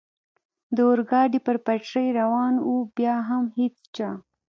د اورګاډي پر پټلۍ روان و، بیا هم هېڅ چا.